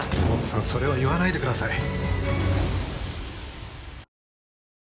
モツさんそれを言わないでください。